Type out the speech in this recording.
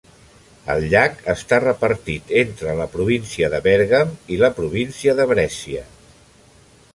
El llac està repartit entre la província de Bèrgam i la província de Brescia.